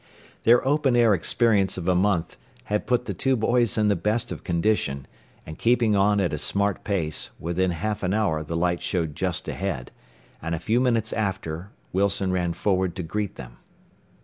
Their open air experience of a month had put the two boys in the best of condition, and keeping on at a smart pace, within half an hour the light showed just ahead, and a few minutes after Wilson ran forward to greet them.